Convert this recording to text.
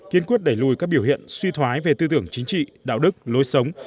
kiên quyết đẩy lùi các biểu hiện suy thoái về tư tưởng chính trị đạo đức lối sống